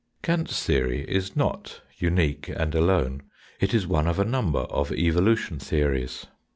Kant's theory is not unique and alone. It is one of a number of evolution theories.